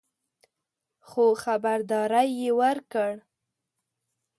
خو خبرداری یې ورکړ